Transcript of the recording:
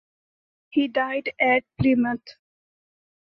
He died at Plymouth.